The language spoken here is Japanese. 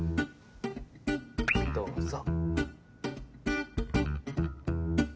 どうぞ。